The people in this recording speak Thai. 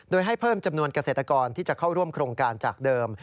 โดยให้เพิ่มจำนวนเกษตรกรที่จะเข้าร่วมโครงการจากเดิม